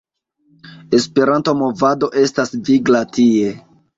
Esperanto-movado estas vigla tie.